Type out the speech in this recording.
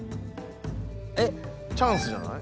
えっ⁉チャンスじゃない？